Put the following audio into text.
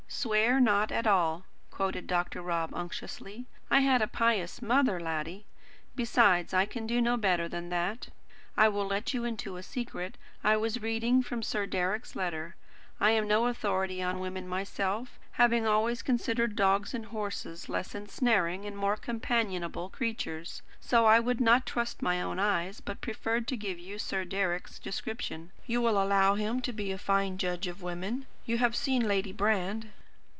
"'Swear not at all,'" quoted Dr. Rob unctuously. "I had a pious mother, laddie. Besides I can do better than that. I will let you into a secret. I was reading from Sir Deryck's letter. I am no authority on women myself, having always considered dogs and horses less ensnaring and more companionable creatures. So I would not trust my own eyes, but preferred to give you Sir Deryck's description. You will allow him to be a fine judge of women. You have seen Lady Brand?"